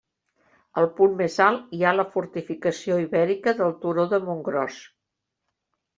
Al punt més alt hi ha la fortificació ibèrica del turó de Montgròs.